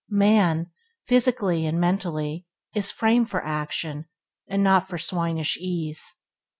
Man, mentally and physically, is framed for action, and not for swinish ease.